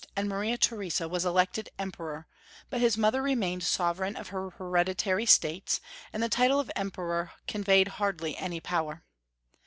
and •^ Maria Theresa was elected Emperor, but his mother remained sovereign of her hereditary states, and the title of Emperor conveyed hardly any power.